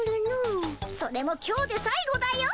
それも今日でさい後だよ。